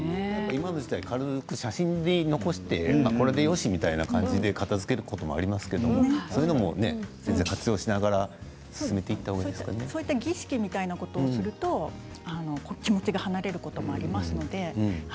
今の時代、写真に残してこれでよし、みたいな感じで片づけることもありますけどそういうのも全然活用しながら儀式みたいなことをするとこっちも手が離れることがありますので。